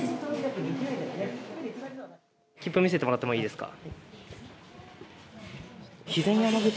切符を見せてもらってもいいですか。